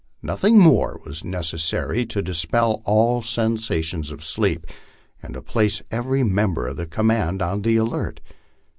Nothing more was necessary to dispel all sensations of sleep, and to place every member of the command on the alert.